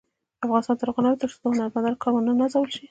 افغانستان تر هغو نه ابادیږي، ترڅو د هنرمندانو کار ونه نازول شي.